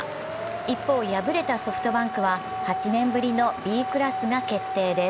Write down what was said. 一方、敗れたソフトバンクは８年ぶりのＢクラスが決定です。